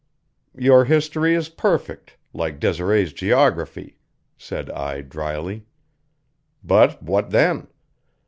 "Your history is perfect, like Desiree's geography," said I dryly. "But what then?